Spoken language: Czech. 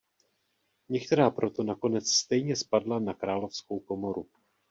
Některá proto nakonec stejně spadla na královskou komoru.